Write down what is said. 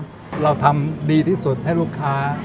เราทำดีที่สุดให้ลูกค้า